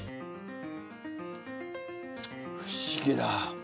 不思議だ！